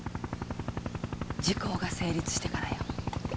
時効が成立してからよ。